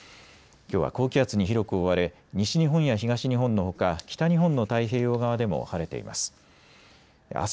きょうは高気圧に広く覆われ西日本や東日本のほか北日本の太平洋側でも晴れています。